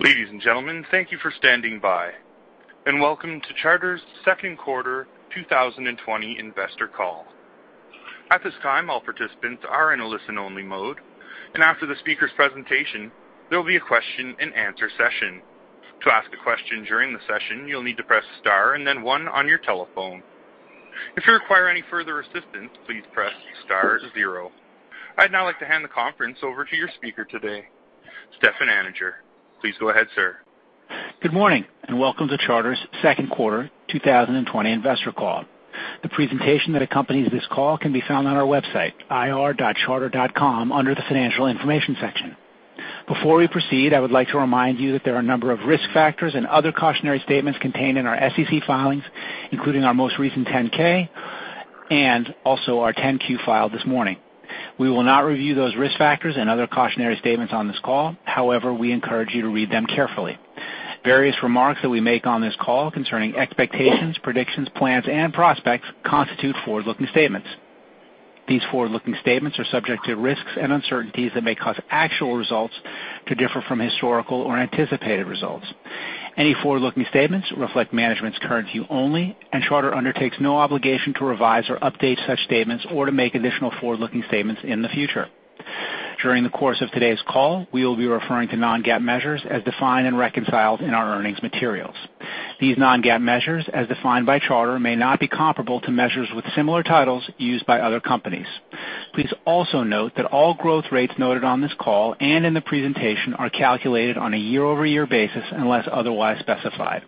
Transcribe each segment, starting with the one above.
Ladies and gentlemen, thank you for standing by, and welcome to Charter's second quarter 2020 investor call. At this time, all participants are in a listen-only mode, and after the speaker's presentation, there will be a question and answer session. To ask a question during the session, you'll need to press star and then one on your telephone. If you require any further assistance, please press star zero. I'd now like to hand the conference over to your speaker today, Stefan Anninger. Please go ahead, sir. Good morning, and welcome to Charter's second quarter 2020 investor call. The presentation that accompanies this call can be found on our website, ir.charter.com, under the financial information section. Before we proceed, I would like to remind you that there are a number of risk factors and other cautionary statements contained in our SEC filings, including our most recent 10-K and also our 10-Q filed this morning. We will not review those risk factors and other cautionary statements on this call. However, we encourage you to read them carefully. Various remarks that we make on this call concerning expectations, predictions, plans, and prospects constitute forward-looking statements. These forward-looking statements are subject to risks and uncertainties that may cause actual results to differ from historical or anticipated results. Any forward-looking statements reflect management's current view only, and Charter Communications undertakes no obligation to revise or update such statements or to make additional forward-looking statements in the future. During the course of today's call, we will be referring to non-GAAP measures as defined and reconciled in our earnings materials. These non-GAAP measures, as defined by Charter Communications, may not be comparable to measures with similar titles used by other companies. Please also note that all growth rates noted on this call and in the presentation are calculated on a year-over-year basis unless otherwise specified.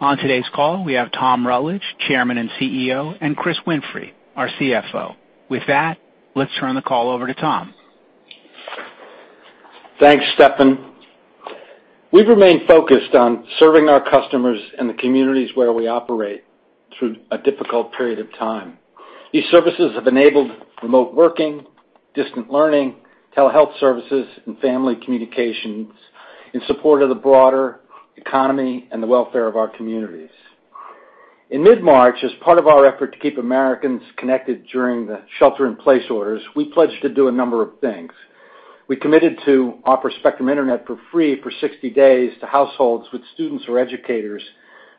On today's call, we have Tom Rutledge, Chairman and CEO, and Chris Winfrey, our CFO. With that, let's turn the call over to Tom. Thanks, Stefan. We've remained focused on serving our customers and the communities where we operate through a difficult period of time. These services have enabled remote working, distant learning, telehealth services, and family communications in support of the broader economy and the welfare of our communities. In mid-March, as part of our effort to Keep Americans Connected during the shelter in place orders, we pledged to do a number of things. We committed to offer Spectrum Internet for free for 60 days to households with students or educators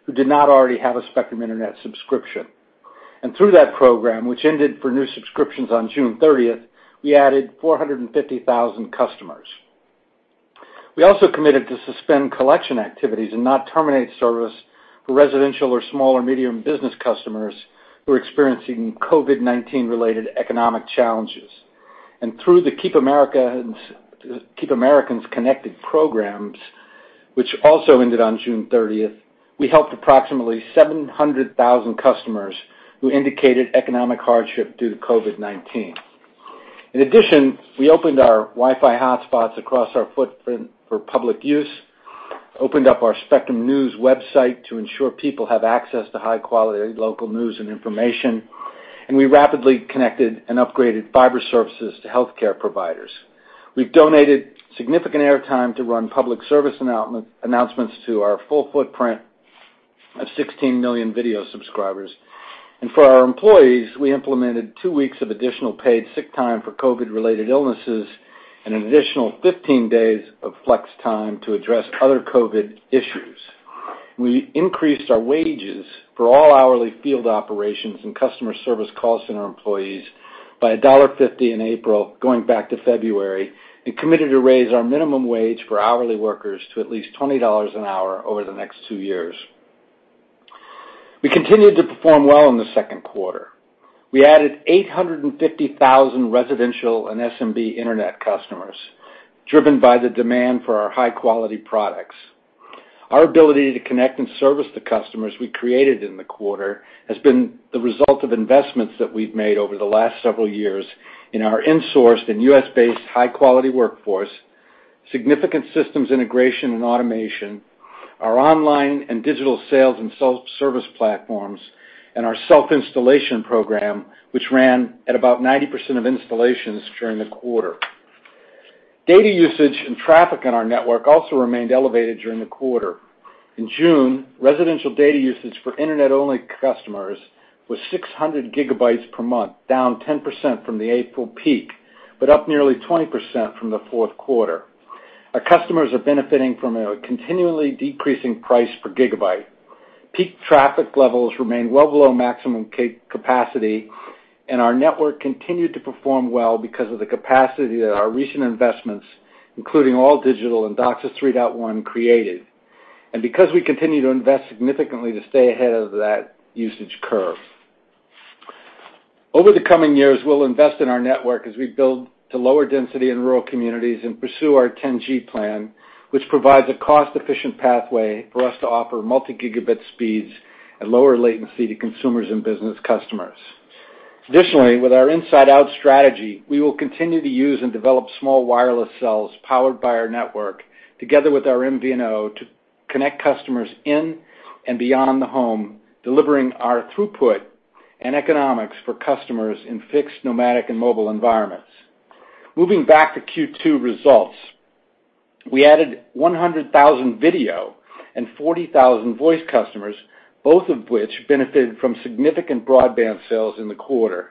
who did not already have a Spectrum Internet subscription. Through that program, which ended for new subscriptions on June 30th, we added 450,000 customers. We also committed to suspend collection activities and not terminate service for residential or small or medium business customers who are experiencing COVID-19 related economic challenges. Through the Keep Americans Connected programs, which also ended on June 30th, we helped approximately 700,000 customers who indicated economic hardship due to COVID-19. In addition, we opened our Wi-Fi hotspots across our footprint for public use, opened up our Spectrum News website to ensure people have access to high quality local news and information, and we rapidly connected and upgraded fiber services to healthcare providers. We've donated significant air time to run public service announcements to our full footprint of 16 million video subscribers. For our employees, we implemented two weeks of additional paid sick time for COVID related illnesses and an additional 15 days of flex time to address other COVID issues. We increased our wages for all hourly field operations and customer service call center employees by $1.50 in April, going back to February, and committed to raise our minimum wage for hourly workers to at least $20 an hour over the next two years. We continued to perform well in the second quarter. We added 850,000 residential and SMB internet customers, driven by the demand for our high-quality products. Our ability to connect and service the customers we created in the quarter has been the result of investments that we've made over the last several years in our insourced and U.S.-based high-quality workforce, significant systems integration and automation, our online and digital sales and self-service platforms, and our self-installation program, which ran at about 90% of installations during the quarter. Data usage and traffic on our network also remained elevated during the quarter. In June, residential data usage for internet-only customers was 600 gigabytes per month, down 10% from the April peak, but up nearly 20% from the fourth quarter. Our customers are benefiting from a continually decreasing price per gigabyte. Peak traffic levels remain well below maximum capacity, and our network continued to perform well because of the capacity that our recent investments, including all-digital and DOCSIS 3.1, created. Because we continue to invest significantly to stay ahead of that usage curve. Over the coming years, we'll invest in our network as we build to lower density in rural communities and pursue our 10G plan, which provides a cost-efficient pathway for us to offer multi-gigabit speeds at lower latency to consumers and business customers. Additionally, with our inside out strategy, we will continue to use and develop small wireless cells powered by our network together with our MVNO to connect customers in and beyond the home, delivering our throughput and economics for customers in fixed, nomadic, and mobile environments. Moving back to Q2 results, we added 100,000 video and 40,000 voice customers, both of which benefited from significant broadband sales in the quarter.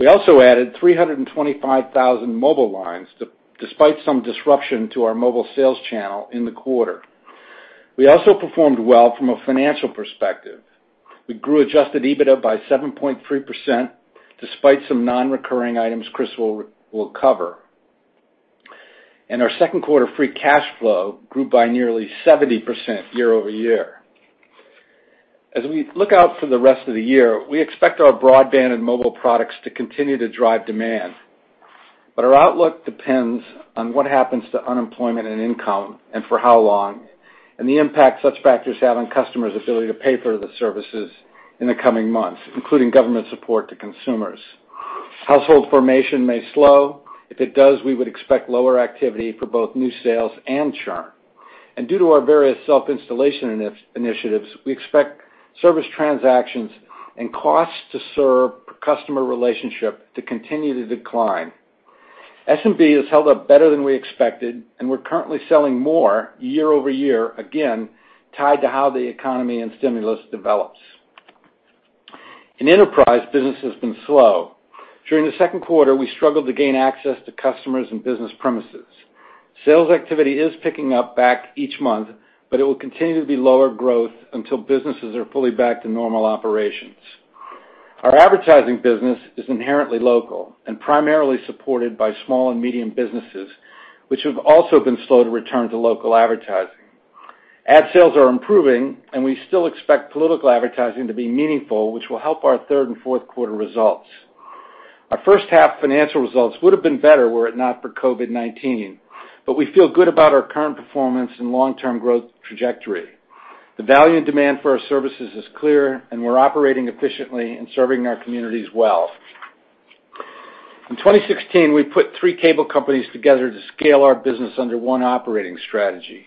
We also added 325,000 mobile lines despite some disruption to our mobile sales channel in the quarter. We also performed well from a financial perspective. We grew adjusted EBITDA by 7.3%, despite some non-recurring items Chris will cover. Our second quarter free cash flow grew by nearly 70% year-over-year. As we look out for the rest of the year, we expect our broadband and mobile products to continue to drive demand. Our outlook depends on what happens to unemployment and income, and for how long, and the impact such factors have on customers' ability to pay for the services in the coming months, including government support to consumers. Household formation may slow. If it does, we would expect lower activity for both new sales and churn. Due to our various self-installation initiatives, we expect service transactions and cost to serve per customer relationship to continue to decline. SMB has held up better than we expected, and we're currently selling more year-over-year, again, tied to how the economy and stimulus develops. In enterprise, business has been slow. During the second quarter, we struggled to gain access to customers and business premises. Sales activity is picking up back each month, but it will continue to be lower growth until businesses are fully back to normal operations. Our advertising business is inherently local and primarily supported by small and medium businesses, which have also been slow to return to local advertising. Ad sales are improving, and we still expect political advertising to be meaningful, which will help our third and fourth quarter results. Our first half financial results would have been better were it not for COVID-19, but we feel good about our current performance and long-term growth trajectory. The value and demand for our services is clear, and we're operating efficiently and serving our communities well. In 2016, we put three cable companies together to scale our business under one operating strategy.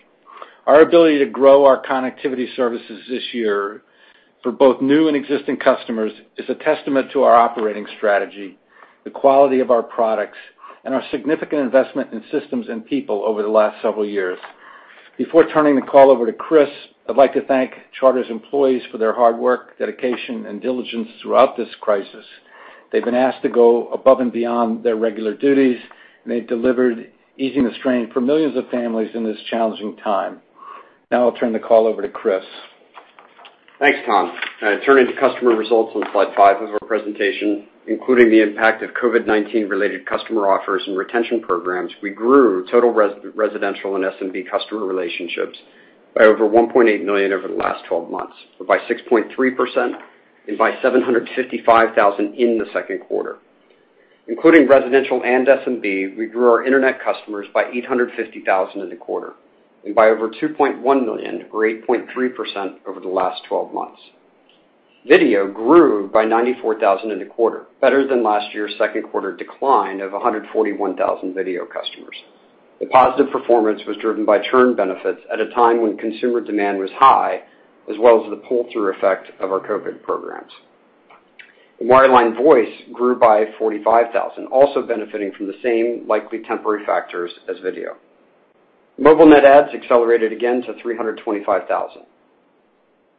Our ability to grow our connectivity services this year for both new and existing customers is a testament to our operating strategy, the quality of our products, and our significant investment in systems and people over the last several years. Before turning the call over to Chris, I'd like to thank Charter's employees for their hard work, dedication, and diligence throughout this crisis. They've been asked to go above and beyond their regular duties, and they've delivered, easing the strain for millions of families in this challenging time. Now I'll turn the call over to Chris. Thanks, Tom. Turning to customer results on slide five of our presentation, including the impact of COVID-19 related customer offers and retention programs, we grew total residential and SMB customer relationships by over 1.8 million over the last 12 months, by 6.3%, and by 755,000 in the second quarter. Including residential and SMB, we grew our internet customers by 850,000 in the quarter and by over 2.1 million or 8.3% over the last 12 months. Video grew by 94,000 in the quarter, better than last year's second quarter decline of 141,000 video customers. The positive performance was driven by churn benefits at a time when consumer demand was high, as well as the pull-through effect of our COVID programs. Wireline voice grew by 45,000, also benefiting from the same likely temporary factors as video. Mobile net adds accelerated again to 325,000.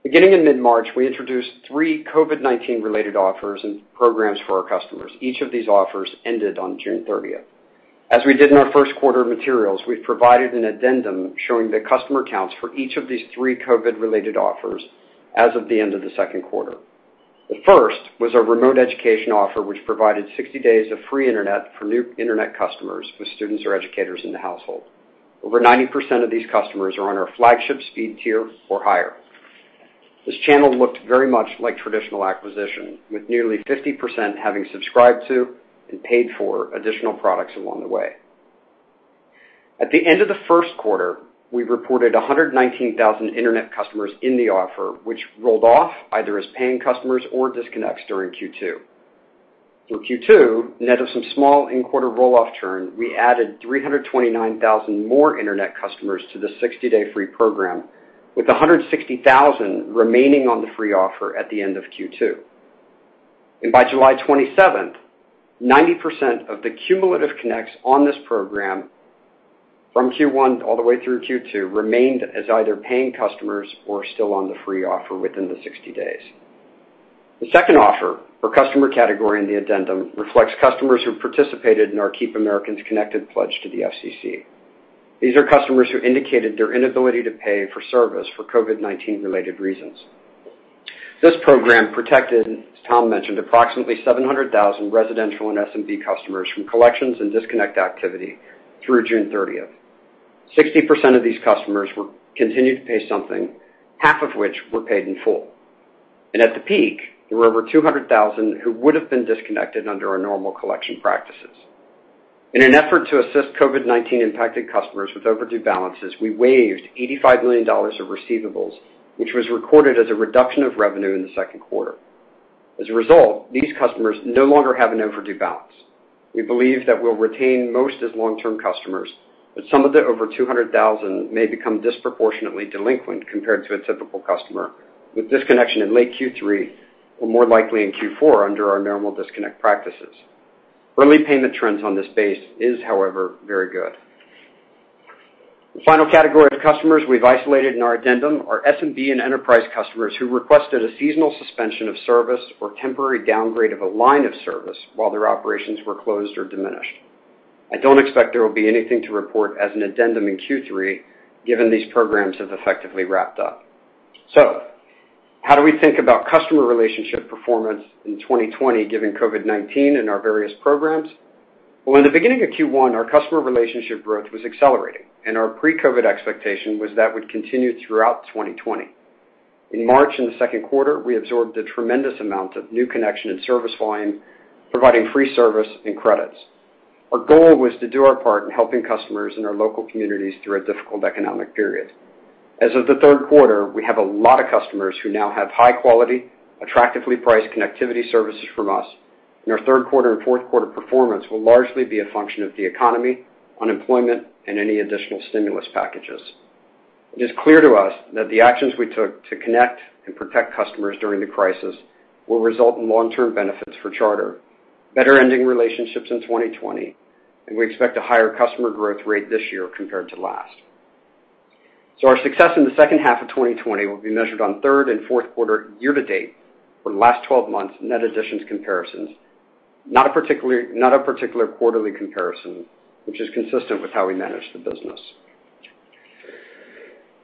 Beginning in mid-March, we introduced three COVID-19 related offers and programs for our customers. Each of these offers ended on June 30th. As we did in our first quarter materials, we've provided an addendum showing the customer counts for each of these three COVID related offers as of the end of the second quarter. The first was a remote education offer, which provided 60 days of free internet for new internet customers with students or educators in the household. Over 90% of these customers are on our flagship speed tier or higher. This channel looked very much like traditional acquisition, with nearly 50% having subscribed to and paid for additional products along the way. At the end of the first quarter, we reported 119,000 internet customers in the offer, which rolled off either as paying customers or disconnects during Q2. Through Q2, net of some small in-quarter roll-off churn, we added 329,000 more internet customers to the 60-day free program, with 160,000 remaining on the free offer at the end of Q2. By July 27th, 90% of the cumulative connects on this program from Q1 all the way through Q2 remained as either paying customers or still on the free offer within the 60 days. The second offer for customer category in the addendum reflects customers who participated in our Keep Americans Connected Pledge to the FCC. These are customers who indicated their inability to pay for service for COVID-19 related reasons. This program protected, as Tom mentioned, approximately 700,000 residential and SMB customers from collections and disconnect activity through June 30th. 60% of these customers continued to pay something, half of which were paid in full. At the peak, there were over 200,000 who would have been disconnected under our normal collection practices. In an effort to assist COVID-19 impacted customers with overdue balances, we waived $85 million of receivables, which was recorded as a reduction of revenue in the second quarter. As a result, these customers no longer have an overdue balance. We believe that we'll retain most as long-term customers, but some of the over 200,000 may become disproportionately delinquent compared to a typical customer, with disconnection in late Q3 or more likely in Q4 under our normal disconnect practices. Early payment trends on this base is, however, very good. The final category of customers we've isolated in our addendum are SMB and enterprise customers who requested a seasonal suspension of service or temporary downgrade of a line of service while their operations were closed or diminished. I don't expect there will be anything to report as an addendum in Q3, given these programs have effectively wrapped up. How do we think about customer relationship performance in 2020 given COVID-19 and our various programs? Well, in the beginning of Q1, our customer relationship growth was accelerating, and our pre-COVID expectation was that would continue throughout 2020. In March and the second quarter, we absorbed a tremendous amount of new connection and service volume, providing free service and credits. Our goal was to do our part in helping customers in our local communities through a difficult economic period. As of the third quarter, we have a lot of customers who now have high quality, attractively priced connectivity services from us, and our third quarter and fourth quarter performance will largely be a function of the economy, unemployment, and any additional stimulus packages. It is clear to us that the actions we took to connect and protect customers during the crisis will result in long-term benefits for Charter Communication, better ending relationships in 2020, and we expect a higher customer growth rate this year compared to last. Our success in the second half of 2020 will be measured on third and fourth quarter year to date for the last 12 months net additions comparisons, not a particular quarterly comparison, which is consistent with how we manage the business.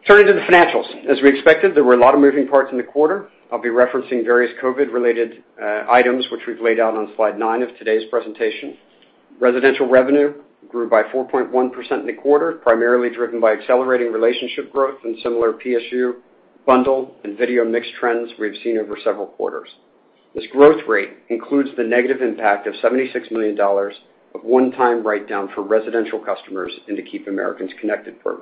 Turning to the financials. As we expected, there were a lot of moving parts in the quarter. I'll be referencing various COVID related items, which we've laid out on slide nine of today's presentation. Residential revenue grew by 4.1% in the quarter, primarily driven by accelerating relationship growth and similar PSU bundle and video mix trends we've seen over several quarters. This growth rate includes the negative impact of $76 million of one-time write-down for residential customers into Keep Americans Connected Pledge.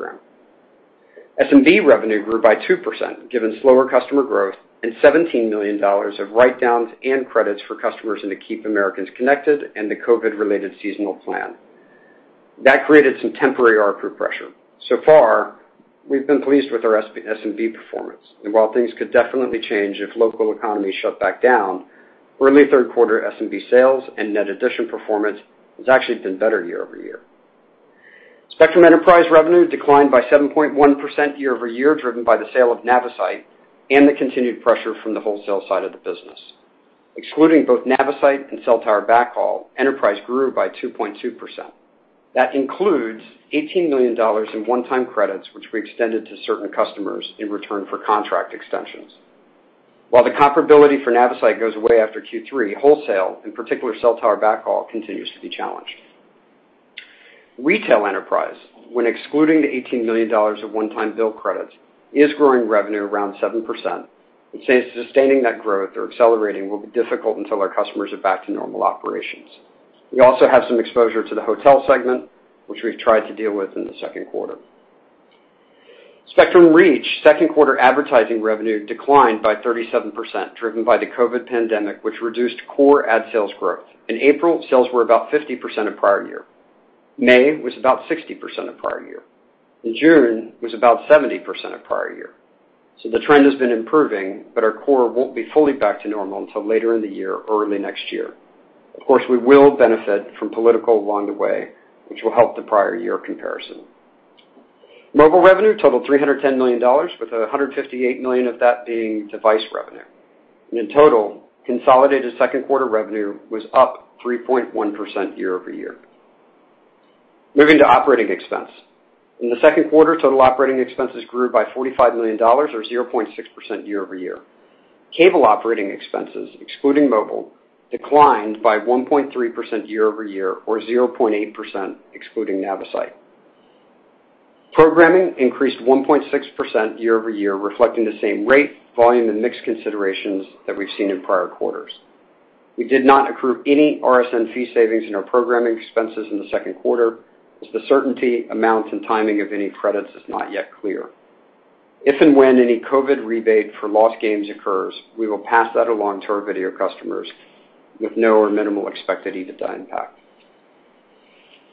SMB revenue grew by 2% given slower customer growth and $17 million of write-downs and credits for customers in the Keep Americans Connected Pledge and the COVID related seasonal plan. That created some temporary ARPU pressure. Far, we've been pleased with our SMB performance, and while things could definitely change if local economies shut back down, early third quarter SMB sales and net addition performance has actually been better year-over-year. Spectrum Enterprise revenue declined by 7.1% year-over-year, driven by the sale of Navisite and the continued pressure from the wholesale side of the business. Excluding both Navisite and cell tower backhaul, Enterprise grew by 2.2%. That includes $18 million in one-time credits, which we extended to certain customers in return for contract extensions. While the comparability for Navisite goes away after Q3, wholesale, in particular cell tower backhaul, continues to be challenged. Retail Enterprise, when excluding the $18 million of one-time bill credits, is growing revenue around 7%, and sustaining that growth or accelerating will be difficult until our customers are back to normal operations. We also have some exposure to the hotel segment, which we've tried to deal with in the second quarter. Spectrum Reach second quarter advertising revenue declined by 37%, driven by the COVID pandemic, which reduced core ad sales growth. April, sales were about 50% of prior year. May was about 60% of prior year. June, was about 70% of prior year. The trend has been improving, but our core won't be fully back to normal until later in the year or early next year. Of course, we will benefit from political along the way, which will help the prior-year comparison. Mobile revenue totaled $310 million, with $158 million of that being device revenue. In total, consolidated second quarter revenue was up 3.1% year-over-year. Moving to operating expense. In the second quarter, total operating expenses grew by $45 million, or 0.6% year-over-year. Cable operating expenses, excluding mobile, declined by 1.3% year-over-year, or 0.8% excluding Navisite. Programming increased 1.6% year-over-year, reflecting the same rate, volume, and mix considerations that we've seen in prior quarters. We did not accrue any RSN fee savings in our programming expenses in the second quarter, as the certainty, amount, and timing of any credits is not yet clear. If and when any COVID rebate for lost games occurs, we will pass that along to our video customers with no or minimal expected EBITDA impact.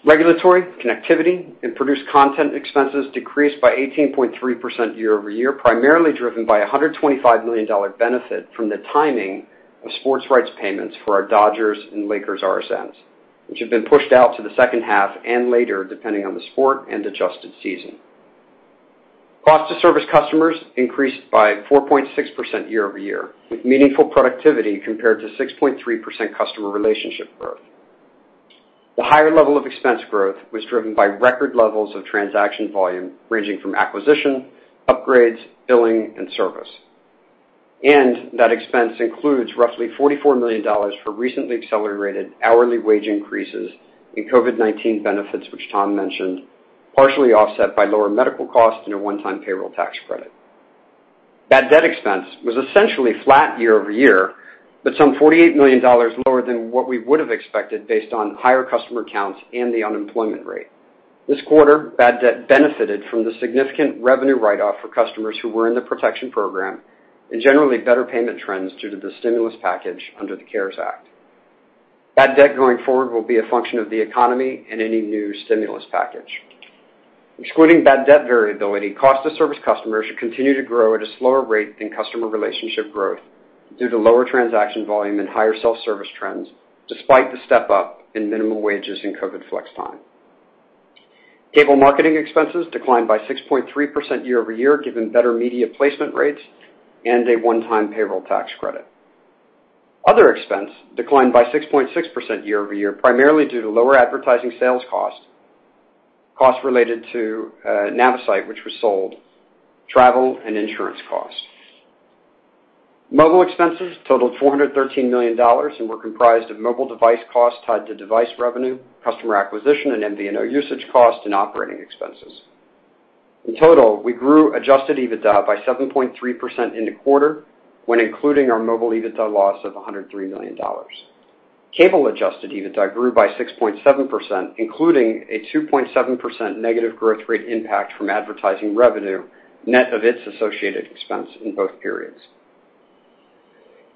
Regulatory, connectivity, and produced content expenses decreased by 18.3% year-over-year, primarily driven by $125 million benefit from the timing of sports rights payments for our Los Angeles Dodgers and Los Angeles Lakers RSNs, which have been pushed out to the second half and later, depending on the sport and adjusted season. Cost to service customers increased by 4.6% year-over-year, with meaningful productivity compared to 6.3% customer relationship growth. The higher level of expense growth was driven by record levels of transaction volume, ranging from acquisition, upgrades, billing, and service. That expense includes roughly $44 million for recently accelerated hourly wage increases and COVID-19 benefits, which Tom mentioned, partially offset by lower medical costs and a one-time payroll tax credit. Bad debt expense was essentially flat year-over-year, but some $48 million lower than what we would have expected based on higher customer counts and the unemployment rate. This quarter, bad debt benefited from the significant revenue write-off for customers who were in the protection program and generally better payment trends due to the stimulus package under the CARES Act. Bad debt going forward will be a function of the economy and any new stimulus package. Excluding bad debt variability, cost of service customers should continue to grow at a slower rate than customer relationship growth. Due to lower transaction volume and higher self-service trends, despite the step-up in minimum wages and COVID flex time. Cable marketing expenses declined by 6.3% year-over-year, given better media placement rates and a one-time payroll tax credit. Other expense declined by 6.6% year over year, primarily due to lower advertising sales costs related to Navisite, which was sold, travel, and insurance costs. Mobile expenses totaled $413 million and were comprised of mobile device costs tied to device revenue, customer acquisition, and MVNO usage costs, and operating expenses. In total, we grew adjusted EBITDA by 7.3% in the quarter when including our mobile EBITDA loss of $103 million. Cable adjusted EBITDA grew by 6.7%, including a 2.7% negative growth rate impact from advertising revenue, net of its associated expense in both periods.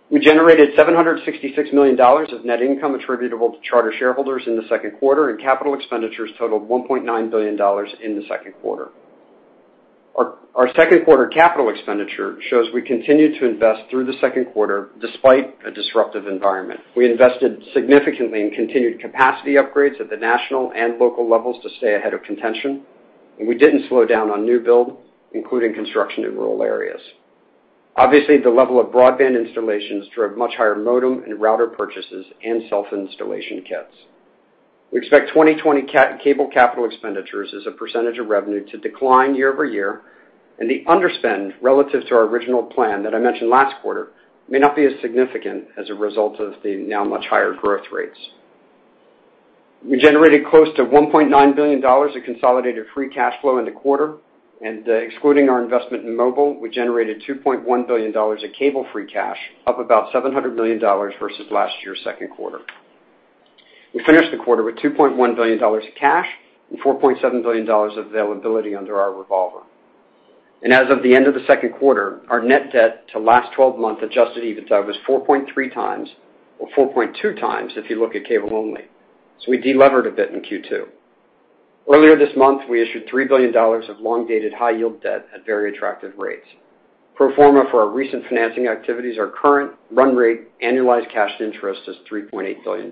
We generated $766 million of net income attributable to Charter shareholders in the second quarter, and capital expenditures totaled $1.9 billion in the second quarter. Our second quarter capital expenditure shows we continued to invest through the second quarter despite a disruptive environment. We invested significantly in continued capacity upgrades at the national and local levels to stay ahead of contention, and we didn't slow down on new build, including construction in rural areas. Obviously, the level of broadband installations drove much higher modem and router purchases and self-installation kits. We expect 2020 cable capital expenditures as a % of revenue to decline year-over-year, and the underspend relative to our original plan that I mentioned last quarter may not be as significant as a result of the now much higher growth rates. We generated close to $1.9 billion of consolidated free cash flow in the quarter, and excluding our investment in mobile, we generated $2.1 billion of cable free cash, up about $700 million versus last year's second quarter. We finished the quarter with $2.1 billion in cash and $4.7 billion of availability under our revolver. As of the end of the second quarter, our net debt to last 12-month adjusted EBITDA was 4.3x, or 4.2x if you look at cable only. We de-levered a bit in Q2. Earlier this month, we issued $3 billion of long-dated high-yield debt at very attractive rates. Pro forma for our recent financing activities, our current run rate annualized cash interest is $3.8 billion.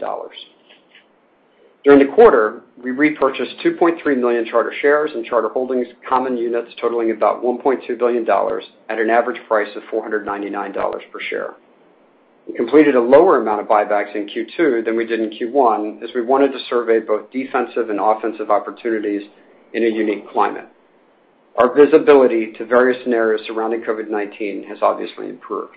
During the quarter, we repurchased 2.3 million Charter shares and Charter Holdings common units totaling about $1.2 billion at an average price of $499 per share. We completed a lower amount of buybacks in Q2 than we did in Q1, as we wanted to survey both defensive and offensive opportunities in a unique climate. Our visibility to various scenarios surrounding COVID-19 has obviously improved.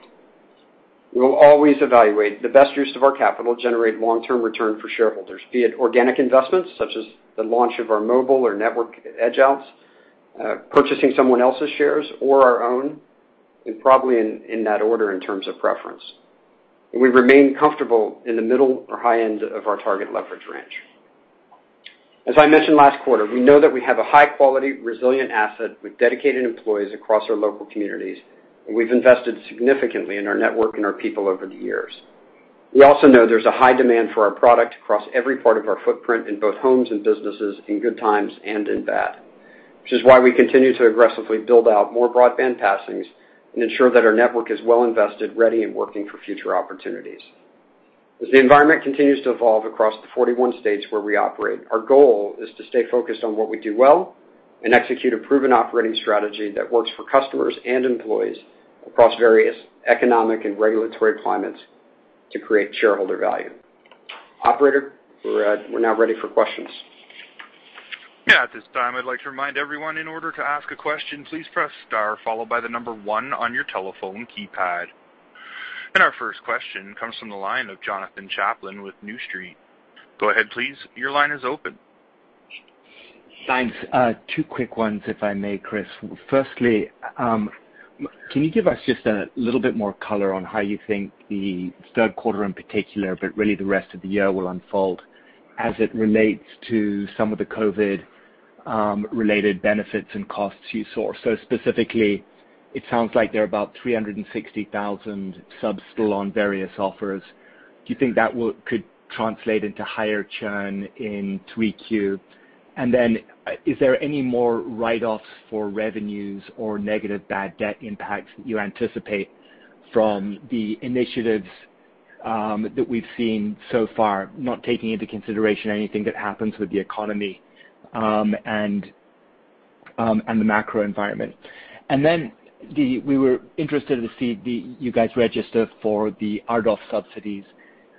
We will always evaluate the best use of our capital, generate long-term return for shareholders, be it organic investments such as the launch of our Mobile or network edge outs, purchasing someone else's shares or our own, and probably in that order in terms of preference. We remain comfortable in the middle or high end of our target leverage range. As I mentioned last quarter, we know that we have a high-quality, resilient asset with dedicated employees across our local communities, and we've invested significantly in our network and our people over the years. We also know there's a high demand for our product across every part of our footprint in both homes and businesses, in good times and in bad. Which is why we continue to aggressively build out more broadband passings and ensure that our network is well invested, ready, and working for future opportunities. As the environment continues to evolve across the 41 states where we operate, our goal is to stay focused on what we do well and execute a proven operating strategy that works for customers and employees across various economic and regulatory climates to create shareholder value. Operator, we're now ready for questions. Yeah. At this time, I'd like to remind everyone, in order to ask a question, please press star followed by the number one on your telephone keypad. Our first question comes from the line of Jonathan Chaplin with New Street. Go ahead, please. Your line is open. Thanks. Two quick ones if I may, Chris. Firstly, can you give us just a little bit more color on how you think the third quarter in particular, but really the rest of the year will unfold as it relates to some of the COVID-related benefits and costs you saw? Specifically, it sounds like there are about 360,000 subs still on various offers. Do you think that could translate into higher churn in 3Q? Is there any more write-offs for revenues or negative bad debt impacts that you anticipate from the initiatives that we've seen so far, not taking into consideration anything that happens with the economy and the macro environment? We were interested to see you guys register for the RDOF subsidies.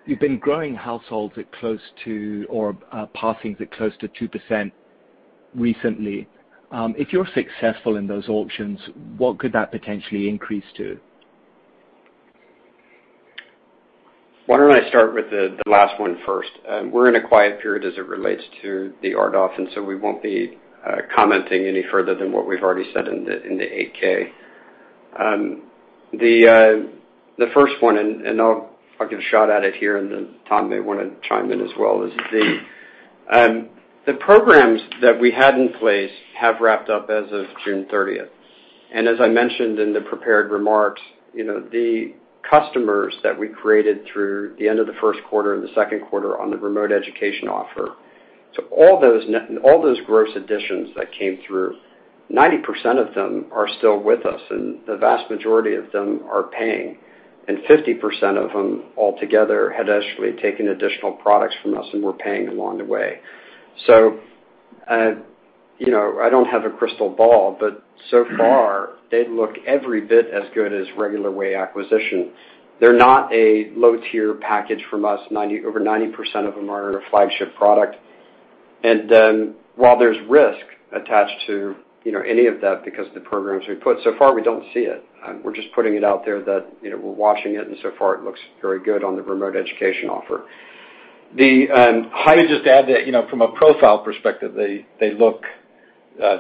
You've been growing households at close to, or passings at close to 2% recently. If you're successful in those auctions, what could that potentially increase to? Why don't I start with the last one first. We're in a quiet period as it relates to the RDOF, we won't be commenting any further than what we've already said in the 8-K. The first one, I'll give a shot at it here, Tom may want to chime in as well. The programs that we had in place have wrapped up as of June 30th. As I mentioned in the prepared remarks, the customers that we created through the end of the first quarter and the second quarter on the remote education offer, all those gross additions that came through, 90% of them are still with us, and the vast majority of them are paying, and 50% of them altogether had actually taken additional products from us and were paying along the way. I don't have a crystal ball, but so far, they look every bit as good as regular way acquisition. They're not a low-tier package from us. Over 90% of them are our flagship product. While there's risk attached to any of that, because the programs we put, so far we don't see it. We're just putting it out there that we're watching it, and so far it looks very good on the remote education offer. I would just add that from a profile perspective, they look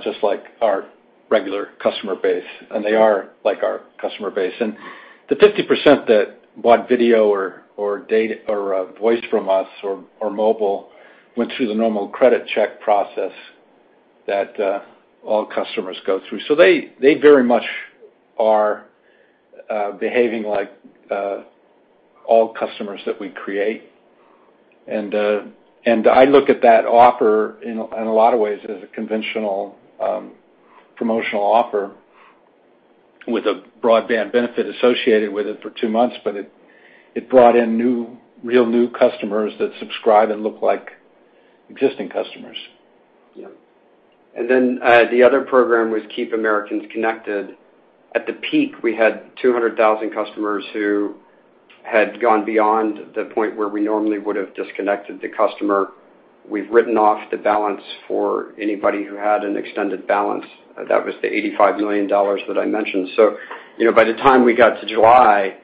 just like our regular customer base, and they are like our customer base. The 50% that bought video or data or voice from us or mobile went through the normal credit check process that all customers go through. They very much are behaving like all customers that we create. I look at that offer in a lot of ways as a conventional promotional offer with a broadband benefit associated with it for two months. It brought in real new customers that subscribe and look like existing customers. Yeah. Then, the other program was Keep Americans Connected Pledge. At the peak, we had 200,000 customers who had gone beyond the point where we normally would've disconnected the customer. We've written off the balance for anybody who had an extended balance. That was the $85 million that I mentioned. By the time we got to July,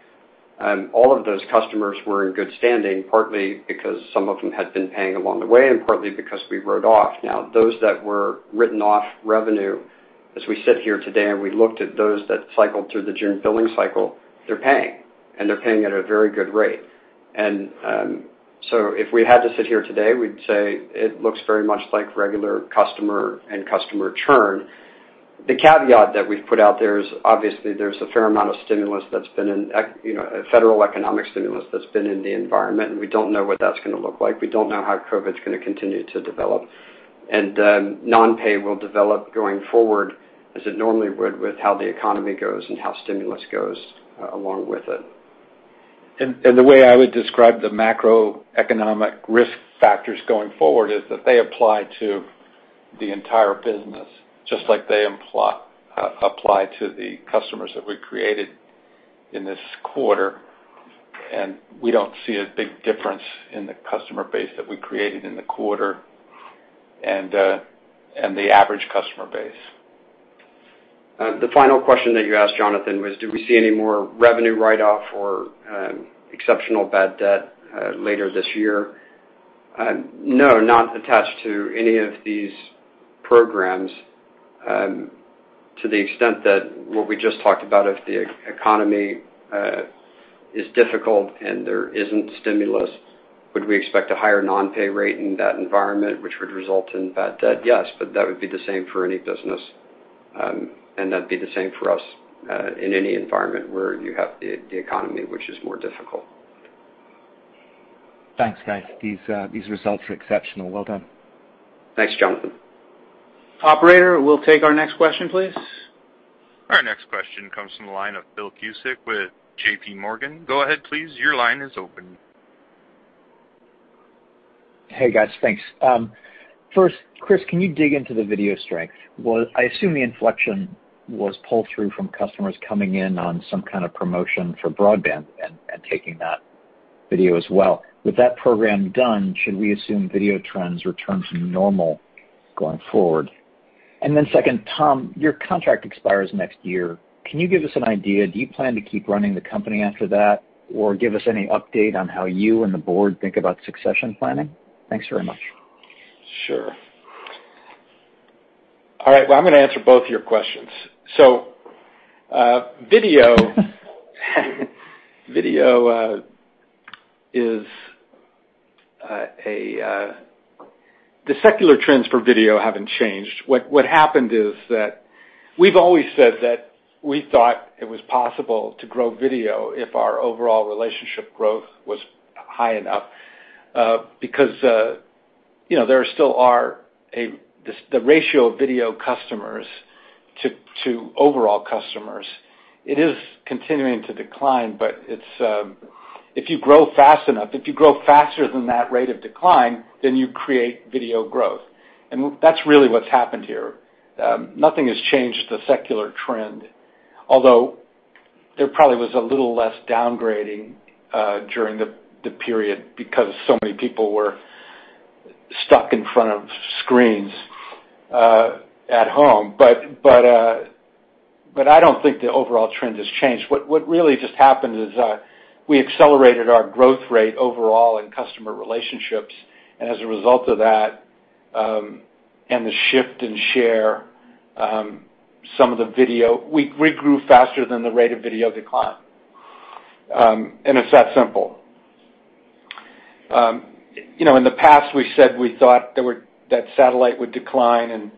all of those customers were in good standing, partly because some of them had been paying along the way, and partly because we wrote off. Now, those that were written off revenue as we sit here today and we looked at those that cycled through the June billing cycle, they're paying, and they're paying at a very good rate. If we had to sit here today, we'd say it looks very much like regular customer and customer churn. The caveat that we've put out there is obviously there's a fair amount of federal economic stimulus that's been in the environment, and we don't know what that's going to look like. We don't know how COVID's going to continue to develop. Non-pay will develop going forward as it normally would with how the economy goes and how stimulus goes along with it. The way I would describe the macroeconomic risk factors going forward is that they apply to the entire business, just like they apply to the customers that we created in this quarter, and we don't see a big difference in the customer base that we created in the quarter and the average customer base. The final question that you asked, Jonathan, was do we see any more revenue write-off or exceptional bad debt later this year? No, not attached to any of these programs, to the extent that what we just talked about, if the economy is difficult and there isn't stimulus, would we expect a higher non-pay rate in that environment which would result in bad debt? Yes, but that would be the same for any business. That'd be the same for us, in any environment where you have the economy, which is more difficult. Thanks, guys. These results are exceptional. Well done. Thanks, Jonathan. Operator, we'll take our next question, please. Our next question comes from the line of Phil Cusick with JPMorgan. Go ahead, please. Your line is open. Hey, guys. Thanks. First, Chris, can you dig into the video strength? I assume the inflection was pull through from customers coming in on some kind of promotion for broadband and taking that video as well. With that program done, should we assume video trends return to normal going forward? Second, Tom, your contract expires next year. Can you give us an idea? Do you plan to keep running the company after that? Give us any update on how you and the board think about succession planning? Thanks very much. Sure. All right. Well, I'm going to answer both of your questions. Video- The secular trends for video haven't changed. What happened is that we've always said that we thought it was possible to grow video if our overall relationship growth was high enough, because the ratio of video customers to overall customers, it is continuing to decline. If you grow fast enough, if you grow faster than that rate of decline, then you create video growth. That's really what's happened here. Nothing has changed the secular trend, although there probably was a little less downgrading during the period because so many people were stuck in front of screens at home. I don't think the overall trend has changed. What really just happened is we accelerated our growth rate overall in customer relationships. As a result of that, and the shift in share, we grew faster than the rate of video decline. It's that simple. In the past we said we thought that satellite would decline and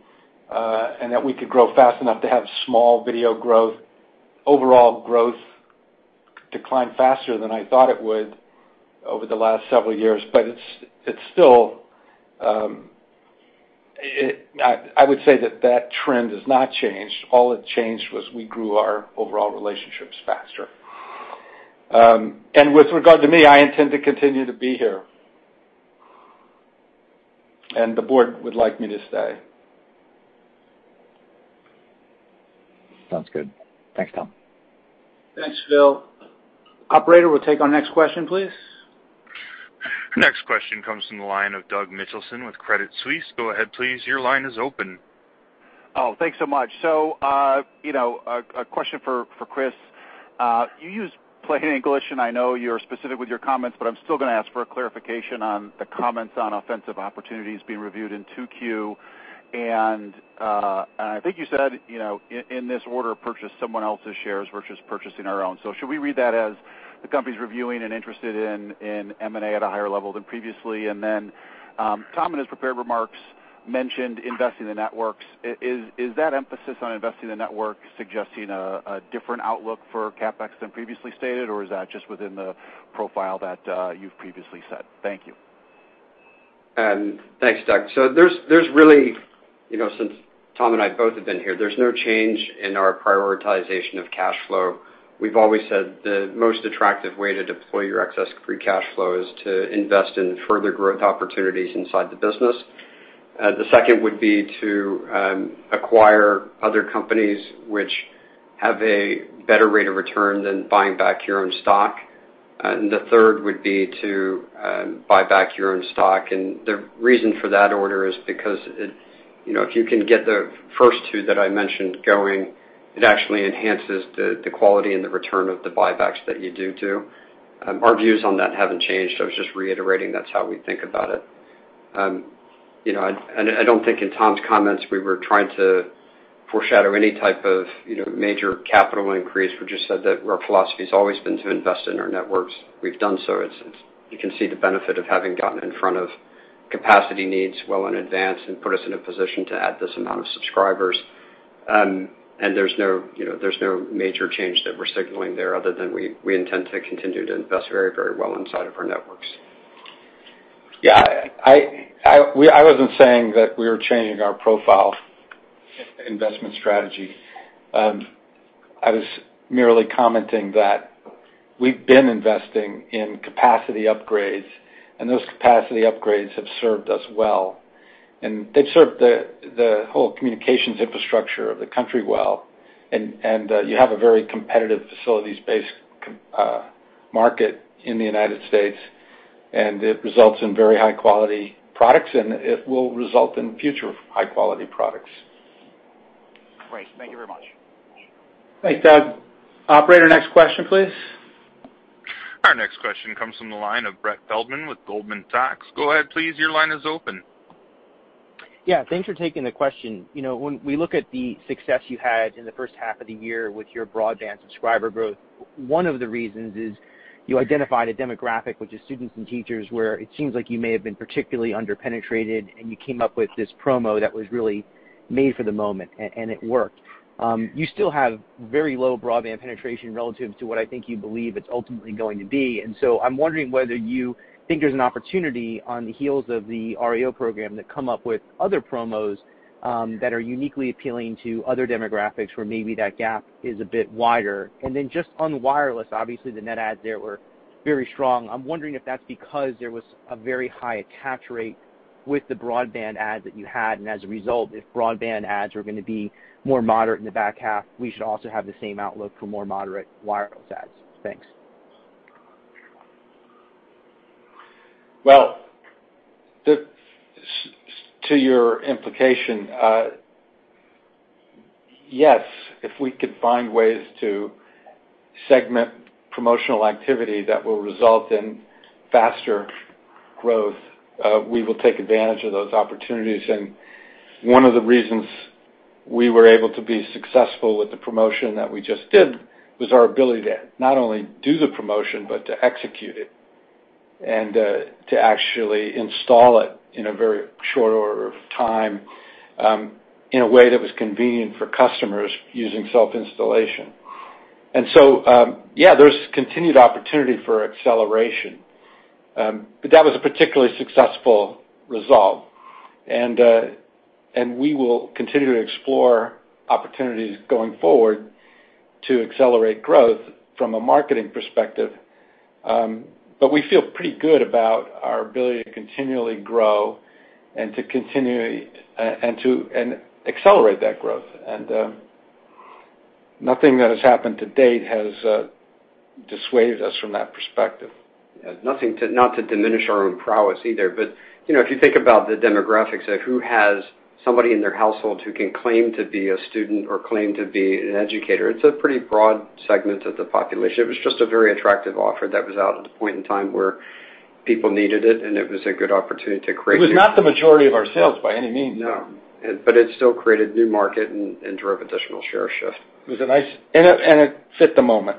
that we could grow fast enough to have small video growth, overall growth declined faster than I thought it would over the last several years. It's still, I would say that that trend has not changed. All that changed was we grew our overall relationships faster. With regard to me, I intend to continue to be here. The board would like me to stay. Sounds good. Thanks, Tom. Thanks, Phil. Operator, we'll take our next question, please. Next question comes from the line of Douglas Mitchelson with Credit Suisse. Go ahead, please. Your line is open. Oh, thanks so much. A question for Chris. You use plain English, and I know you're specific with your comments, but I'm still going to ask for a clarification on the comments on offensive opportunities being reviewed in 2Q. I think you said, in this order, purchase someone else's shares versus purchasing our own. Should we read that as the company's reviewing and interested in M&A at a higher level than previously? Tom, in his prepared remarks, mentioned investing in networks. Is that emphasis on investing in the network suggesting a different outlook for CapEx than previously stated, or is that just within the profile that you've previously said? Thank you. Thanks, Doug. There's really, since Tom and I both have been here, there's no change in our prioritization of cash flow. We've always said the most attractive way to deploy your excess free cash flow is to invest in further growth opportunities inside the business. The second would be to acquire other companies which have a better rate of return than buying back your own stock. The third would be to buy back your own stock. The reason for that order is because if you can get the first two that I mentioned going, it actually enhances the quality and the return of the buybacks that you do too. Our views on that haven't changed. I was just reiterating that's how we think about it. I don't think in Tom's comments we were trying to foreshadow any type of major capital increase. We just said that our philosophy has always been to invest in our networks. We've done so. You can see the benefit of having gotten in front of capacity needs well in advance and put us in a position to add this amount of subscribers. There's no major change that we're signaling there other than we intend to continue to invest very well inside of our networks. I wasn't saying that we were changing our profile investment strategy. I was merely commenting that we've been investing in capacity upgrades, and those capacity upgrades have served us well. They've served the whole communications infrastructure of the country well, and you have a very competitive facilities-based market in the United States, and it results in very high-quality products, and it will result in future high-quality products. Great. Thank you very much. Thanks, Doug. Operator, next question, please. Our next question comes from the line of Brett Feldman with Goldman Sachs. Go ahead, please. Your line is open. Yeah, thanks for taking the question. When we look at the success you had in the first half of the year with your broadband subscriber growth, one of the reasons is you identified a demographic, which is students and teachers, where it seems like you may have been particularly under-penetrated, and you came up with this promo that was really made for the moment, and it worked. You still have very low broadband penetration relative to what I think you believe it's ultimately going to be. I'm wondering whether you think there's an opportunity on the heels of the RDOF program to come up with other promos, that are uniquely appealing to other demographics where maybe that gap is a bit wider. Just on wireless, obviously the net adds there were very strong. I'm wondering if that's because there was a very high attach rate with the broadband ads that you had, and as a result, if broadband ads are going to be more moderate in the back half, we should also have the same outlook for more moderate wireless ads. Thanks. Well, to your implication, yes, if we could find ways to segment promotional activity that will result in faster growth, we will take advantage of those opportunities. One of the reasons we were able to be successful with the promotion that we just did was our ability to not only do the promotion but to execute it and to actually install it in a very short order of time, in a way that was convenient for customers using self-installation. So, yeah, there's continued opportunity for acceleration. That was a particularly successful result. We will continue to explore opportunities going forward to accelerate growth from a marketing perspective. We feel pretty good about our ability to continually grow and to accelerate that growth. Nothing that has happened to date has dissuaded us from that perspective. Nothing to not to diminish our own prowess either, but if you think about the demographics of who has somebody in their household who can claim to be a student or claim to be an educator, it's a pretty broad segment of the population. It was just a very attractive offer that was out at a point in time where people needed it, and it was a good opportunity to create. It was not the majority of our sales by any means. No. It still created new market and drove additional share shift. It was a nice, and it fit the moment.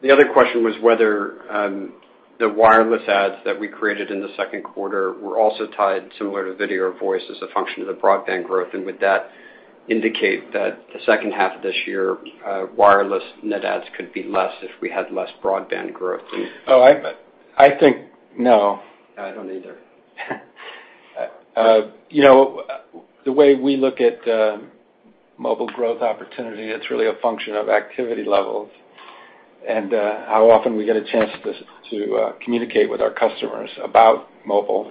The other question was whether the wireless adds that we created in the second quarter were also tied similar to video or voice as a function of the broadband growth. Would that indicate that the second half of this year, wireless net adds could be less if we had less broadband growth? Oh, I think no. I don't either. The way we look at mobile growth opportunity, it's really a function of activity levels and how often we get a chance to communicate with our customers about mobile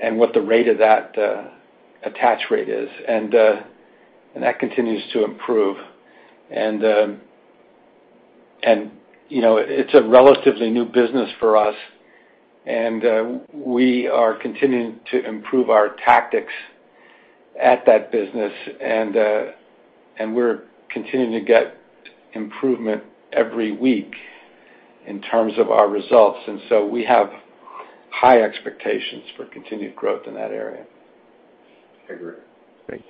and what the rate of that attach rate is. That continues to improve. It's a relatively new business for us, and we are continuing to improve our tactics at that business, and we're continuing to get improvement every week in terms of our results. We have high expectations for continued growth in that area. I agree. Great.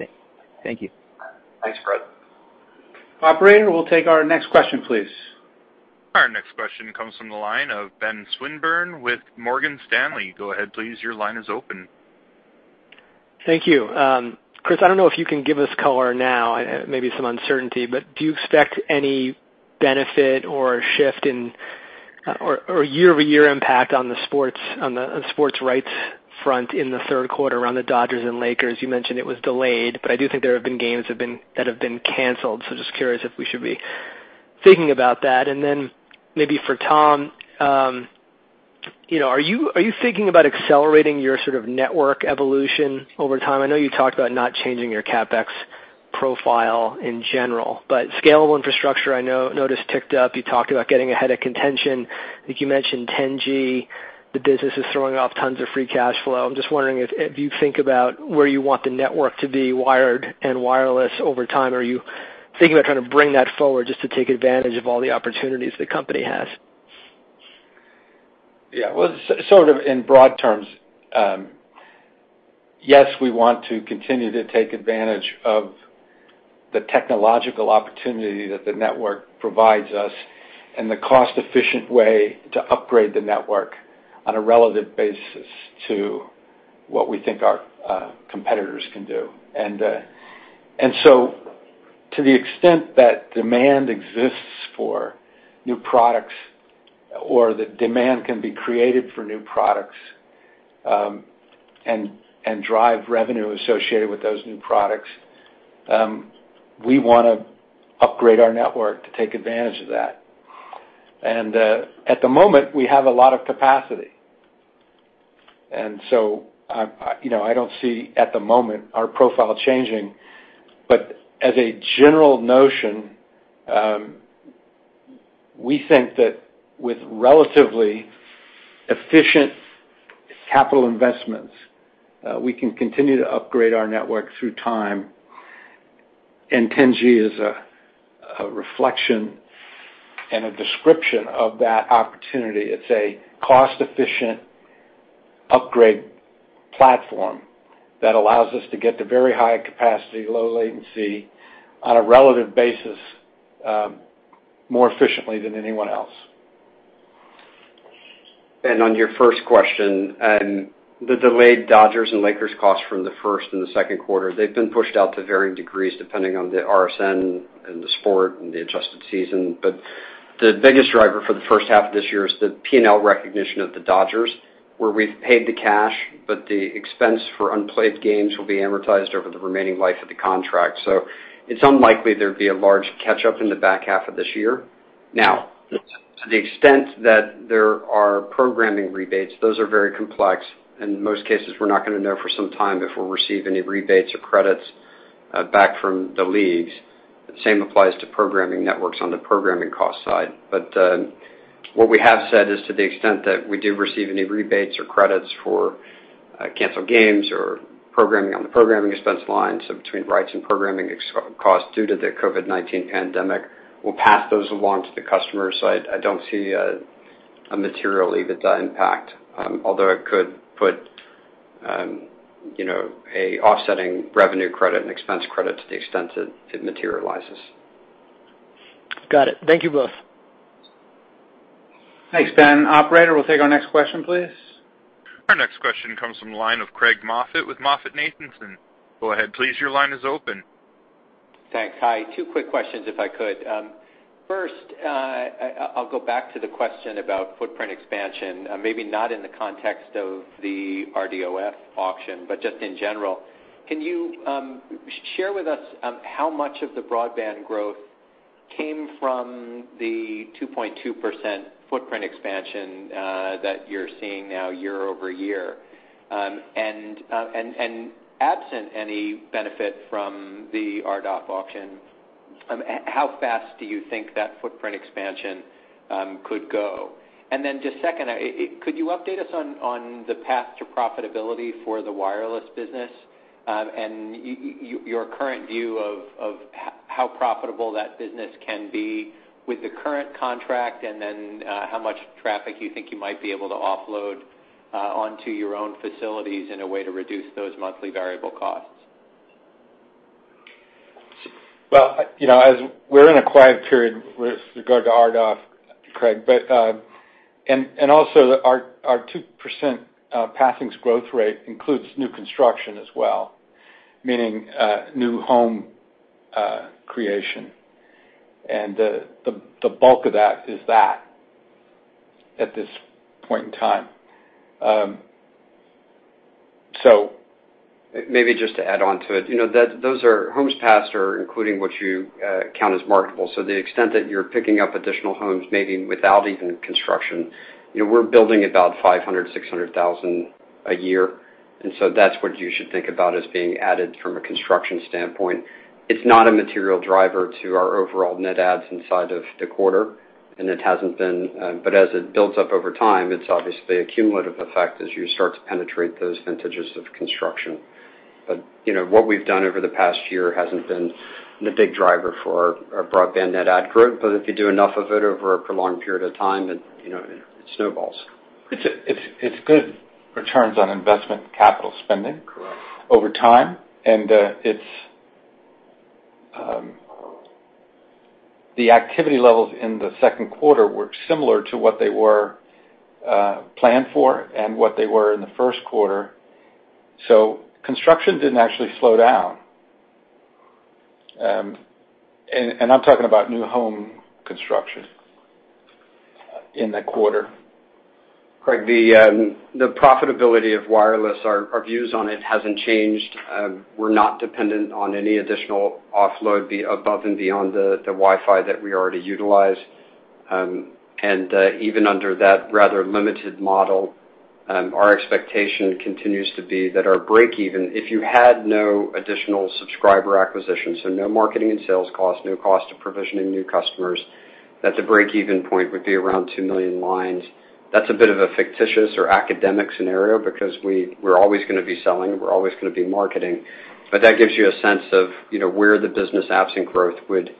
Thank you. Thanks, Brett. Operator, we'll take our next question, please. Our next question comes from the line of Benjamin Swinburne with Morgan Stanley. Go ahead, please. Your line is open. Thank you. Chris, I don't know if you can give us color now, maybe some uncertainty, but do you expect any benefit or shift in, or year-over-year impact on the sports rights front in the third quarter on the Los Angeles Dodgers and Los Angeles Lakers? You mentioned it was delayed, but I do think there have been games that have been canceled. Just curious if we should be thinking about that. Then maybe for Tom, are you thinking about accelerating your sort of network evolution over time? I know you talked about not changing your CapEx profile in general, but scalable infrastructure, I know noticed ticked up. You talked about getting ahead of contention. I think you mentioned 10G. The business is throwing off tons of free cash flow. I'm just wondering if you think about where you want the network to be wired and wireless over time. Are you thinking about kind of bringing that forward just to take advantage of all the opportunities the company has? Yeah. Well, sort of in broad terms, yes, we want to continue to take advantage of the technological opportunity that the network provides us and the cost-efficient way to upgrade the network on a relative basis to what we think our competitors can do. To the extent that demand exists for new products or the demand can be created for new products, and drive revenue associated with those new products, we want to upgrade our network to take advantage of that. At the moment, we have a lot of capacity. I don't see at the moment our profile changing. As a general notion, we think that with relatively efficient capital investments, we can continue to upgrade our network through time, and 10G is a reflection and a description of that opportunity. It's a cost-efficient upgrade platform that allows us to get to very high capacity, low latency on a relative basis, more efficiently than anyone else. On your first question, the delayed Los Angeles Dodgers and Los Angeles Lakers costs from the first and second quarter, they've been pushed out to varying degrees, depending on the RSN and the sport and the adjusted season. The biggest driver for the first half of this year is the P&L recognition of the Los Angeles Dodgers, where we've paid the cash, but the expense for unplayed games will be amortized over the remaining life of the contract. It's unlikely there'd be a large catch-up in the back half of this year. Now, to the extent that there are programming rebates, those are very complex, and in most cases, we're not going to know for some time if we'll receive any rebates or credits back from the leagues. The same applies to programming networks on the programming cost side. What we have said is to the extent that we do receive any rebates or credits for canceled games or programming on the programming expense line, so between rights and programming cost due to the COVID-19 pandemic, we'll pass those along to the customer. I don't see a material EBITDA impact. Although it could put an offsetting revenue credit and expense credit to the extent it materializes. Got it. Thank you both. Thanks, Ben. Operator, we'll take our next question, please. Our next question comes from the line of Craig Moffett with MoffettNathanson. Go ahead, please. Your line is open. Thanks. Hi. Two quick questions, if I could. First, I'll go back to the question about footprint expansion. Maybe not in the context of the RDOF auction, but just in general. Can you share with us how much of the broadband growth came from the 2.2% footprint expansion that you're seeing now year-over-year? Absent any benefit from the RDOF auction, how fast do you think that footprint expansion could go? Just second, could you update us on the path to profitability for the wireless business and your current view of how profitable that business can be with the current contract, and then how much traffic you think you might be able to offload onto your own facilities in a way to reduce those monthly variable costs? Well, as we're in a quiet period with regard to RDOF, Craig, and also our 2% passings growth rate includes new construction as well, meaning new home creation. The bulk of that is that at this point in time. Maybe just to add onto it, those are homes passed or including what you count as marketable. The extent that you're picking up additional homes, maybe without even construction, we're building about 500,000, 600,000 a year, and so that's what you should think about as being added from a construction standpoint. It's not a material driver to our overall net adds inside of the quarter, and it hasn't been. As it builds up over time, it's obviously a cumulative effect as you start to penetrate those vintages of construction. What we've done over the past year hasn't been the big driver for our broadband net add growth. If you do enough of it over a prolonged period of time, it snowballs. It's good returns on investment capital spending. Correct over time, and the activity levels in the second quarter were similar to what they were planned for and what they were in the first quarter. Construction didn't actually slow down. I'm talking about new home construction in the quarter. Craig, the profitability of wireless, our views on it hasn't changed. We're not dependent on any additional offload above and beyond the Wi-Fi that we already utilize. Even under that rather limited model, our expectation continues to be that our breakeven, if you had no additional subscriber acquisitions, so no marketing and sales cost, no cost of provisioning new customers, that the breakeven point would be around two million lines. That gives you a sense of where the business absent growth would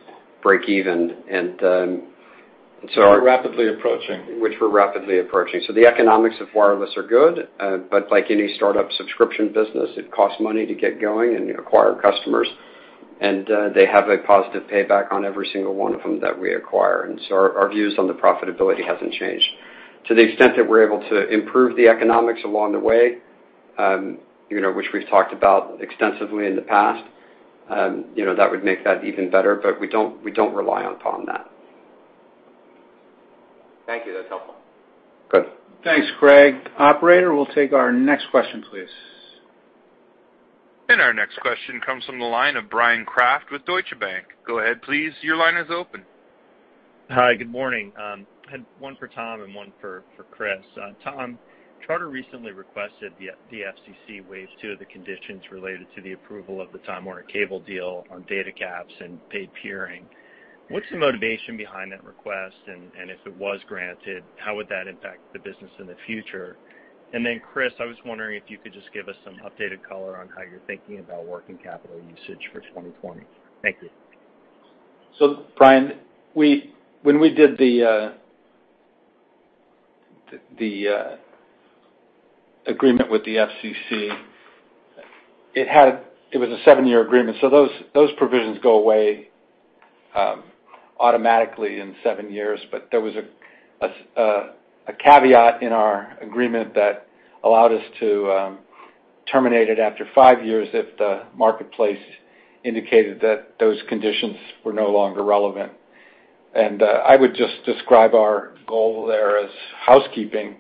break even. Which we're rapidly approaching. Which we're rapidly approaching. The economics of wireless are good. Like any startup subscription business, it costs money to get going and acquire customers, and they have a positive payback on every single one of them that we acquire. Our views on the profitability hasn't changed. To the extent that we're able to improve the economics along the way, which we've talked about extensively in the past, that would make that even better, but we don't rely upon that. Thank you. That's helpful. Good. Thanks, Craig. Operator, we'll take our next question, please. Our next question comes from the line of Bryan Kraft with Deutsche Bank. Go ahead, please. Your line is open. Hi, good morning. I had one for Tom and one for Chris. Tom, Charter recently requested the FCC waive two of the conditions related to the approval of the Time Warner Cable deal on data caps and paid peering. What's the motivation behind that request? If it was granted, how would that impact the business in the future? Then, Chris, I was wondering if you could just give us some updated color on how you're thinking about working capital usage for 2020. Thank you. Bryan, when we did the agreement with the FCC, it was a seven-year agreement. Those provisions go away automatically in seven years. There was a caveat in our agreement that allowed us to terminate it after five years if the marketplace indicated that those conditions were no longer relevant. I would just describe our goal there as housekeeping.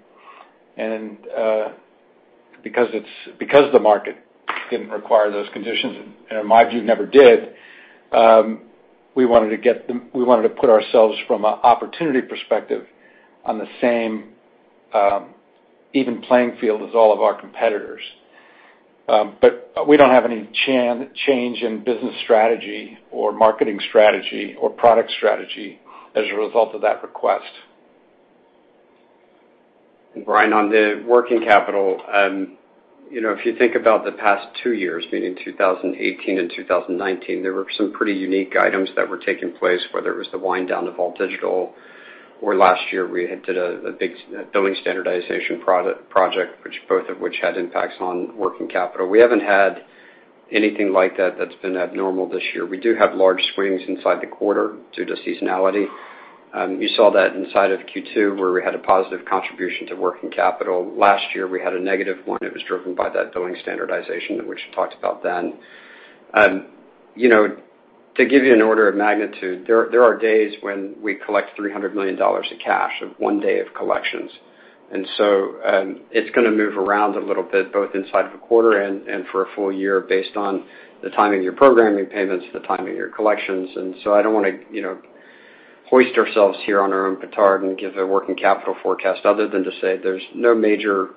Because the market didn't require those conditions, in my view, never did, we wanted to put ourselves from an opportunity perspective on the same even playing field as all of our competitors. We don't have any change in business strategy or marketing strategy or product strategy as a result of that request. Bryan, on the working capital, if you think about the past two years, meaning 2018 and 2019, there were some pretty unique items that were taking place, whether it was the wind down of all-digital or last year we had did a big billing standardization project, which both of which had impacts on working capital. We haven't had anything like that's been abnormal this year. We do have large swings inside the quarter due to seasonality. You saw that inside of Q2 where we had a positive contribution to working capital. Last year we had a negative one. It was driven by that billing standardization, which we talked about then. To give you an order of magnitude, there are days when we collect $300 million of cash of one day of collections. It's going to move around a little bit, both inside of a quarter and for a full year based on the timing of your programming payments, the timing of your collections. I don't want to hoist ourselves here on our own petard and give a working capital forecast other than to say there's no major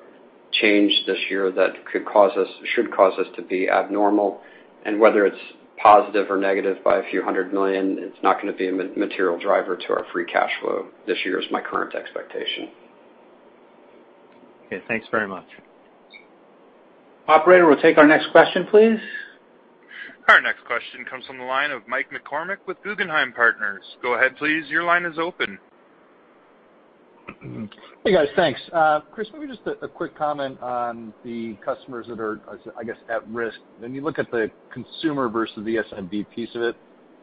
change this year that should cause us to be abnormal. Whether it's positive or negative by a few hundred million, it's not going to be a material driver to our free cash flow this year, is my current expectation. Okay. Thanks very much. Operator, we'll take our next question, please. Our next question comes from the line of Mike McCormack with Guggenheim Partners. Go ahead, please. Your line is open. Hey, guys. Thanks. Chris, maybe just a quick comment on the customers that are, I guess, at risk. When you look at the consumer versus the SMB piece of it,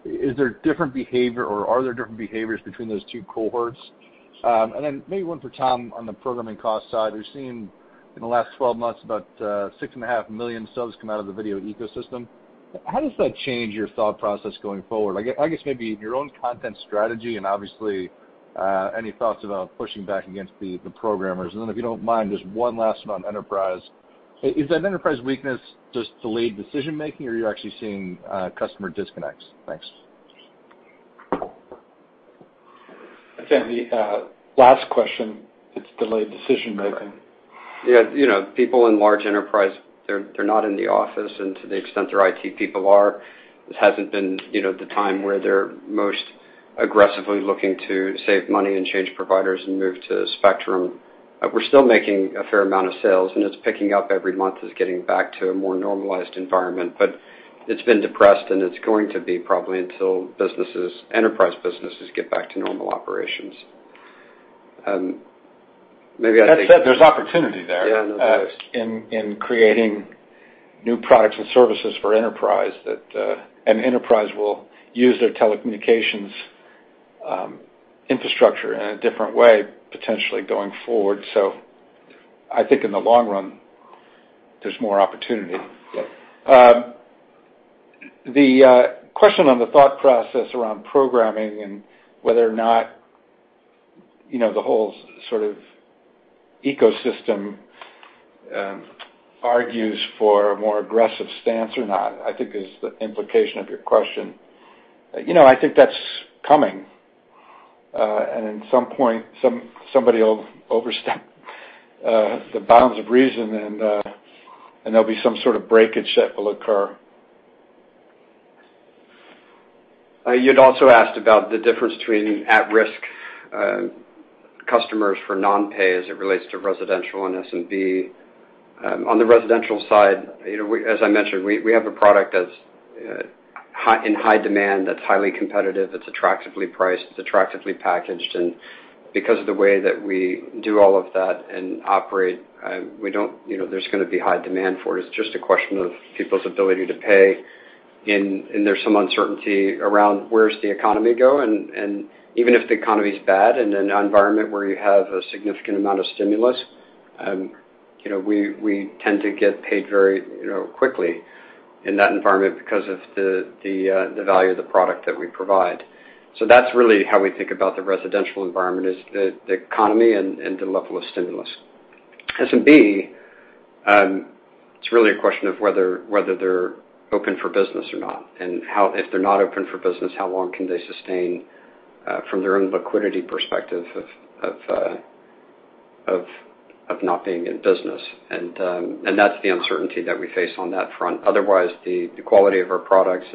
is there different behavior or are there different behaviors between those two cohorts? Maybe one for Tom on the programming cost side. We've seen in the last 12 months about 6.5 million subs come out of the video ecosystem. How does that change your thought process going forward? I guess maybe your own content strategy and obviously, any thoughts about pushing back against the programmers. If you don't mind, just one last one on enterprise. Is that enterprise weakness just delayed decision-making or are you actually seeing customer disconnects? Thanks. I think the last question, it's delayed decision-making. Yeah. People in large enterprise, they're not in the office and to the extent their IT people are, this hasn't been the time where they're most aggressively looking to save money and change providers and move to Spectrum. We're still making a fair amount of sales, and it's picking up every month as getting back to a more normalized environment. It's been depressed, and it's going to be probably until enterprise businesses get back to normal operations. That said, there's opportunity there. Yeah, no, there is in creating new products and services for enterprise will use their telecommunications infrastructure in a different way, potentially going forward. I think in the long run, there's more opportunity. Yeah. The question on the thought process around programming and whether or not the whole sort of ecosystem argues for a more aggressive stance or not, I think is the implication of your question. I think that's coming, and at some point, somebody will overstep the bounds of reason and there'll be some sort of breakage that will occur. You'd also asked about the difference between at-risk customers for non-pay as it relates to residential and SMB. On the residential side, as I mentioned, we have a product that's in high demand, that's highly competitive, that's attractively priced, it's attractively packaged, and because of the way that we do all of that and operate, there's gonna be high demand for it. It's just a question of people's ability to pay, and there's some uncertainty around where does the economy go, and even if the economy's bad in an environment where you have a significant amount of stimulus, we tend to get paid very quickly in that environment because of the value of the product that we provide. That's really how we think about the residential environment, is the economy and the level of stimulus. SMB, it's really a question of whether they're open for business or not, and if they're not open for business, how long can they sustain from their own liquidity perspective of not being in business. That's the uncertainty that we face on that front. Otherwise, the quality of our products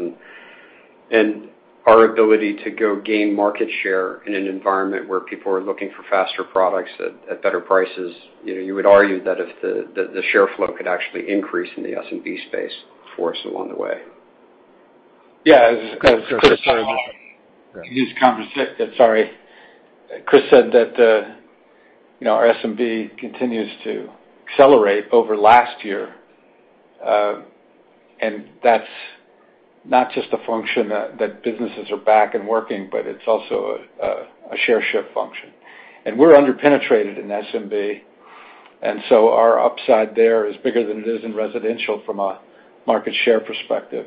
and our ability to go gain market share in an environment where people are looking for faster products at better prices. You would argue that the share flow could actually increase in the SMB space for us along the way. Yeah. As Chris said Go ahead. Sorry. Chris said that our SMB continues to accelerate over last year. That's not just a function that businesses are back and working, but it's also a share shift function. We're under-penetrated in SMB, and so our upside there is bigger than it is in residential from a market share perspective.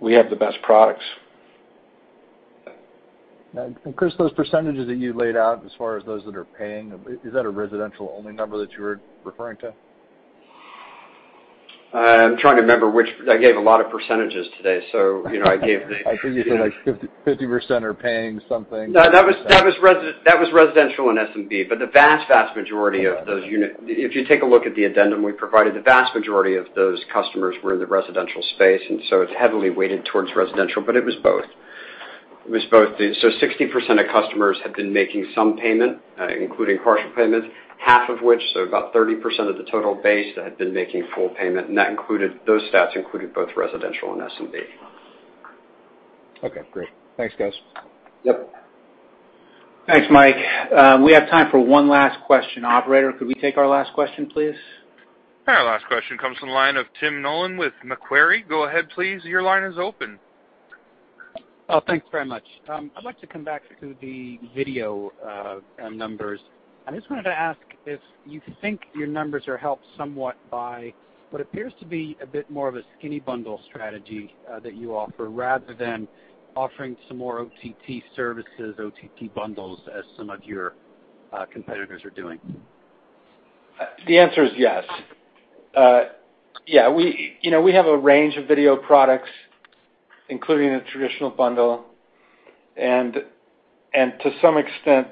We have the best products. Chris, those percentages that you laid out as far as those that are paying, is that a residential-only number that you were referring to? I'm trying to remember which I gave a lot of percentages today. I think you said, like, 50% are paying something. No, that was residential and SMB. The vast majority of those If you take a look at the addendum we provided, the vast majority of those customers were in the residential space, and so it's heavily weighted towards residential, but it was both. 60% of customers have been making some payment, including partial payment, half of which, so about 30% of the total base that had been making full payment. Those stats included both residential and SMB. Okay, great. Thanks, guys. Yep. Thanks, Mike. We have time for one last question. Operator, could we take our last question, please? Our last question comes from the line of Tim Nollen with Macquarie. Go ahead, please. Your line is open. Oh, thanks very much. I'd like to come back to the video numbers. I just wanted to ask if you think your numbers are helped somewhat by what appears to be a bit more of a skinny bundle strategy that you offer rather than offering some more OTT services, OTT bundles as some of your competitors are doing. The answer is yes. We have a range of video products, including a traditional bundle, and to some extent,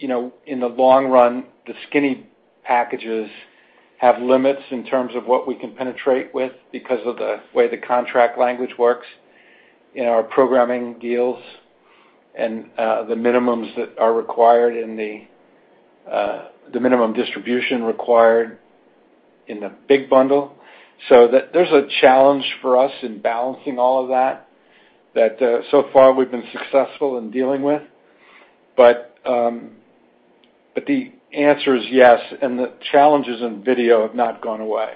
in the long run, the skinny packages have limits in terms of what we can penetrate with because of the way the contract language works in our programming deals and the minimum distribution required in the big bundle. There's a challenge for us in balancing all of that so far we've been successful in dealing with. The answer is yes, and the challenges in video have not gone away.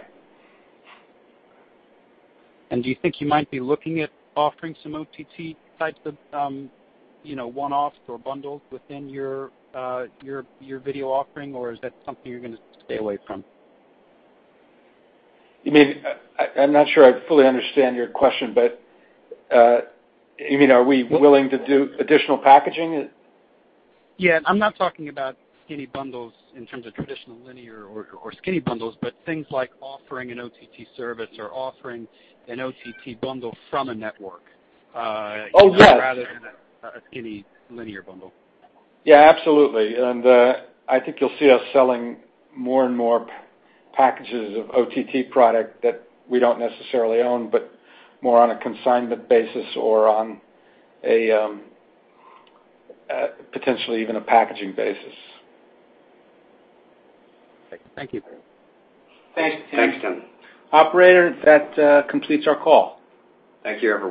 Do you think you might be looking at offering some OTT types of one-offs or bundles within your video offering, or is that something you're gonna stay away from? I'm not sure I fully understand your question, but you mean are we willing to do additional packaging? Yeah. I'm not talking about skinny bundles in terms of traditional linear or skinny bundles, but things like offering an OTT service or offering an OTT bundle from a network. Oh, yes. rather than a skinny linear bundle. Yeah, absolutely. I think you'll see us selling more and more packages of OTT product that we don't necessarily own, but more on a consignment basis or on potentially even a packaging basis. Thank you. Thanks, Tim. Thanks, Tim. Operator, that completes our call. Thank you, everyone.